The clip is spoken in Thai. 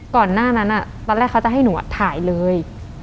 ก่อนหน้านั้นตอนแรกเขาจะให้หนูถ่ายเลย